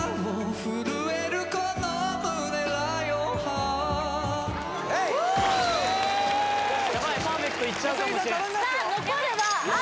ＯＫ・ヤバいパーフェクトいっちゃうかもしれんさあ